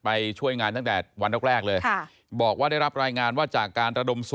ไปช่วยงานตั้งแต่วันแรกเลยบอกว่าได้รับรายงานว่า